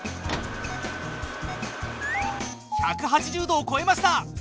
１８０度をこえました！